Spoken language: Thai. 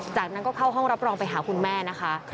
จากนั้นก็เข้าห้องรับรองไปหาคุณแม่นะคะ